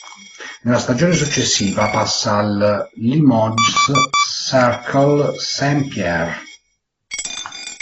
Nella stagione successiva passa al Limoges Cercle Saint-Pierre.